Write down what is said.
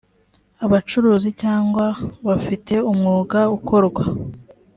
abacuruzi cyangwa bafite umwuga ukorwa